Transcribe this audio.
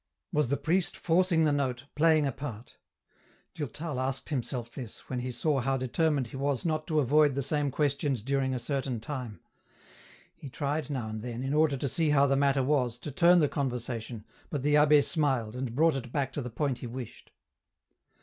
Was the priest forcing the note, playing a part ? Durtal asked himself this, when he saw how determined he was not to avoid the same questions during a certain time. He tried now and then, in order to see how the matter was, to turn the conversation, but the abb6 smiled, and brought it back to the point he wished.